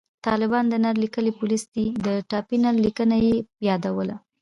طالبان د نل لیکي پولیس دي، د ټاپي نل لیکه یې یادوله